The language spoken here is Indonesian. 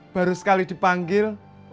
baru sekali dipanggil